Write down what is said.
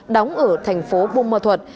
đóng ở thành phố bông mơ thuật